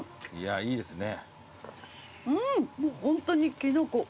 あぁいいですね。